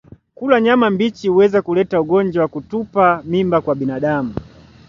Kula nyama mbichi huweza kuleta ugonjwa wa kutupa mimba kwa binadamu